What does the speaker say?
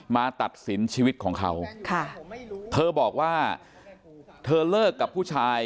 ตัดสินชีวิตของเขาค่ะเธอบอกว่าเธอเลิกกับผู้ชาย